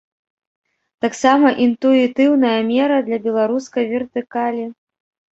Таксама інтуітыўная мера для беларускай вертыкалі.